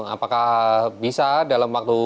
apakah bisa dalam waktu